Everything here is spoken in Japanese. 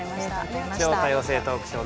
「超多様性トークショー！